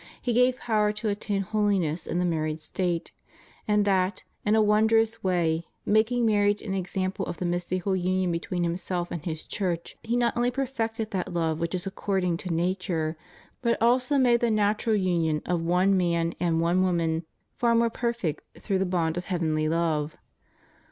He gave power to attain hohness in the married state; and that, in a won drous way, making marriage an example of the mystical imion between Himself and His Church, He not only per fected that love which is according to nature,^ but also made the natural union of one man with one woman far more perfect through the bond of heavenly love.